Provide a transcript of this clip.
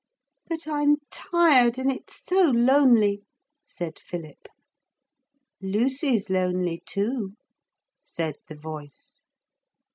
'But I'm tired and it's so lonely,' said Philip. 'Lucy's lonely too,' said the voice.